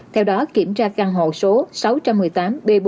theo đó kiểm tra căn hộ số sáu trăm một mươi tám b bốn